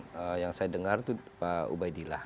dan yang saya dengar itu pak ubaidillah